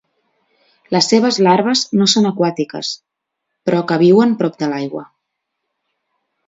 Les seves larves no són aquàtiques, però que viuen prop de l'aigua.